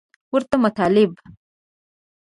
ورته مطالب